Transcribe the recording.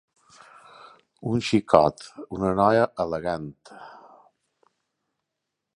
Un xicot, una noia, elegant.